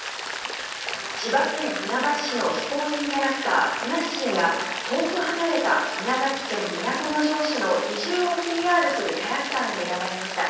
千葉県船橋市の非公認キャラクターふなっしーが遠く離れた宮崎県都城市の移住をＰＲするキャラクターに選ばれました。